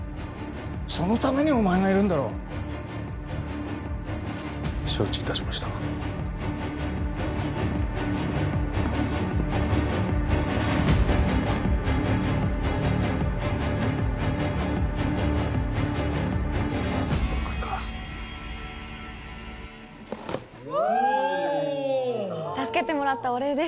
そのためにお前がいるんだろ承知いたしました早速かお助けてもらったお礼です